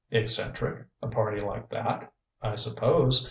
Eccentric, a party like that? I suppose.